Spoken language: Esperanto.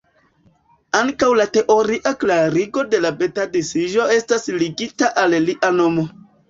Ankaŭ la teoria klarigo de la beta-disiĝo estas ligita al lia nomo.